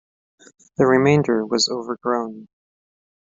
The remainder was overgrown.